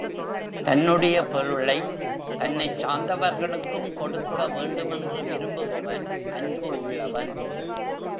தன்னுடைய பொருளைத் தன்னைச் சார்ந்தவர்களுக்கும் கொடுக்க வேண்டுமென்று விரும்புபவன் அன்பு உள்ளவன்.